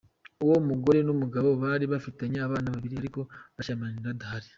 Uwo mugore n’umugabo bari bafitanye abana babiri ariko bashyamiranye badahari.